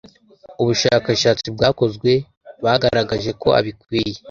ubushakashatsi bwakozwe bagaragaje ko abikwiye